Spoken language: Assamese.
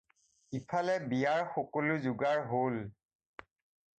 ইফালে বিয়াৰ সকলো যোগাৰ হ'ল।